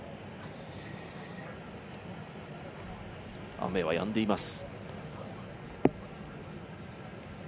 雨はやんでいます。